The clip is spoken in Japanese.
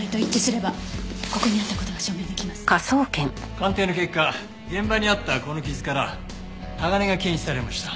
鑑定の結果現場にあったこの傷から鋼が検出されました。